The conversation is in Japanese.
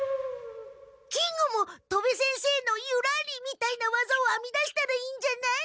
金吾も戸部先生の「ユラリ」みたいなわざをあみ出したらいいんじゃない？